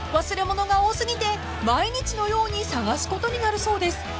忘れ物が多すぎて毎日のようにさがすことになるそうです］